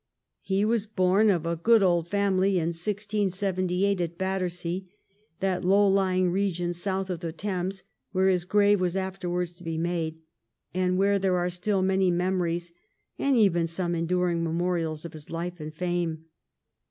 He was born, of a good old family, in 1678, at Battersea — that low lying region south of the Thames where his grave was afterwards to be made, and where there are still many memories and even some enduring memorials of his life and fame.